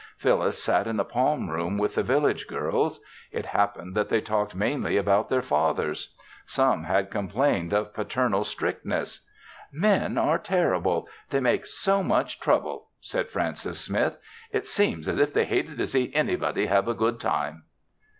Phyllis sat in the Palm Room with the village girls. It happened that they talked mainly about their fathers. Some had complained of paternal strictness. "Men are terrible! They make so much trouble," said Frances Smith. "It seems as if they hated to see anybody have a good time."